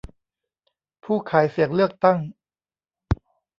ผู้ขายเสียงเลือกตั้ง